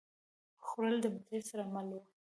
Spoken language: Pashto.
خوړل د مزې سره مل وي